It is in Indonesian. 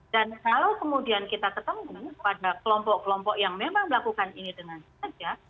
dan kalau kemudian kita ketemu pada kelompok kelompok yang memang melakukan ini dengan sehat